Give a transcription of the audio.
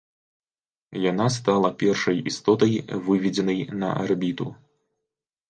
Яна стала першай істотай, выведзенай на арбіту.